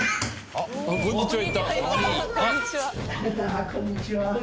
あっこんにちは。